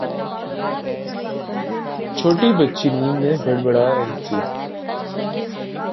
چھوٹی بچی نیند میں بڑبڑا رہی تھی